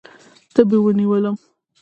تبې ونیولم.